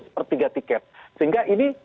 sepertiga tiket sehingga ini